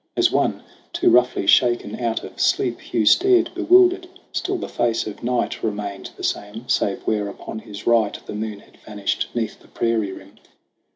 As one too roughly shaken out of sleep, Hugh stared bewildered. Still the face of night Remained the same, save where upon his right The moon had vanished 'neath the prairie rim.